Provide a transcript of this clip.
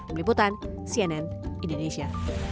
meliputan cnn indonesia